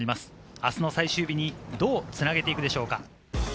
明日の最終日にどうつなげていくでしょうか。